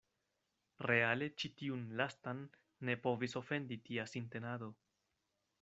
Reale ĉi tiun lastan ne povis ofendi tia sintenado.